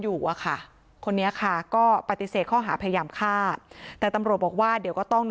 เมื่อนบ้างก็ยืนยันว่ามันเป็นแบบนั้นจริง